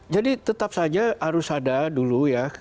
jadi tetap saja harus ada dulu ya